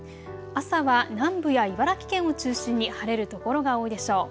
朝は南部や茨城県を中心に晴れる所が多いでしょう。